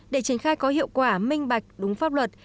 để triển khai có hiệu quả minh bạch đúng pháp luật